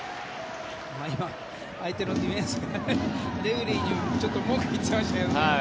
今、相手のディフェンスがレフェリーにちょっと文句を言ってましたね。